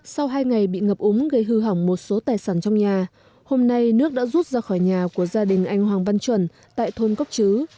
sau hai ngày bị ngập úng gây hư hỏng một số tài sản trong nhà hôm nay nước đã rút ra khỏi nhà của gia đình anh hoàng văn chuẩn tại thôn cốc chứ